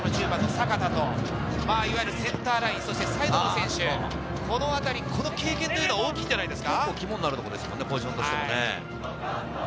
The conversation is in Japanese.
右サイドの１０番の阪田といわゆるセンターライン、サイドの選手、このあたり、この経験は大きいんじゃないですか？